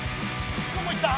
どこ行った？